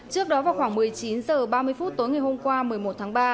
trước đó vào khoảng một mươi chín h ba mươi phút tối ngày hôm qua một mươi một tháng ba